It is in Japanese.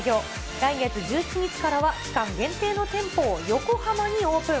来月１７日からは、期間限定の店舗を横浜にオープン。